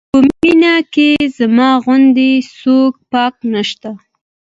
په مینه کې زما غوندې څوک پاک نه شته.